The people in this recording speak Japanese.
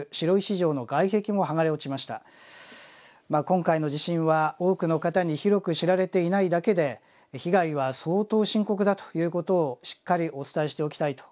今回の地震は多くの方に広く知られていないだけで被害は相当深刻だということをしっかりお伝えしておきたいと思います。